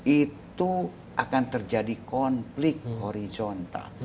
itu akan terjadi konflik horizontal